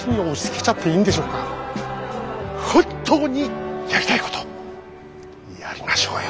本当にやりたいことやりましょうよ。